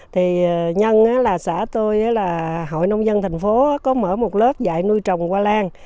thì nhân là xã tôi là hội nông dân thành phố có mở một lớp dạy nuôi trồng hoa lan